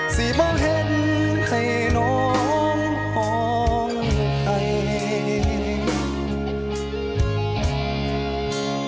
ที่บ่เห็นให้น้องของใคร